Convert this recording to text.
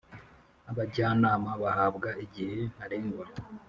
abajyanama bahabwa igihe ntarengwa.